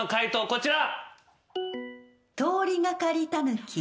こちら。